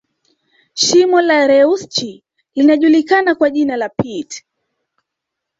Shimo la reusch linajulikana kwa jina la pit